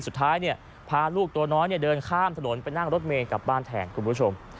สุดท้ายพาลูกตัวน้อยเดินข้ามถนนไปนั่งรถเมย์กลับบ้านแทนคุณผู้ชม